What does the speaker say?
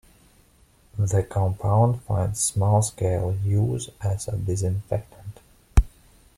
The compound finds small scale use as a disinfectant.